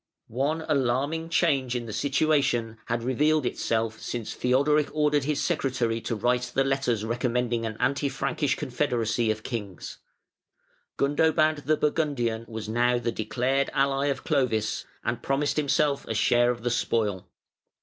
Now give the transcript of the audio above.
One alarming change in the situation had revealed itself since Theodoric ordered his secretary to write the letters recommending an anti Frankish confederacy of kings. Gundobad the Burgundian was now the declared ally of Clovis, and promised himself a share of the spoil.